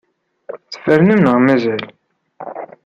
Tfernem neɣ mazal?